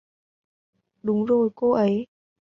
Đúng rồi cô ấy